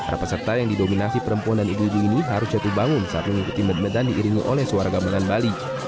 para peserta yang didominasi perempuan dan ibu ibu ini harus jatuh bangun saat mengikuti med medan diiringi oleh suara gamelan bali